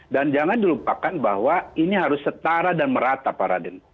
dan jangan dilupakan bahwa ini harus setara dan merata pak raden